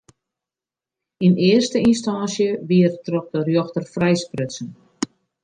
Yn earste ynstânsje wie er troch de rjochter frijsprutsen.